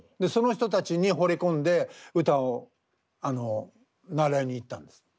その人たちにほれ込んで歌をあの習いに行ったんです。